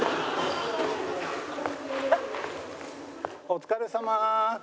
お疲れさま！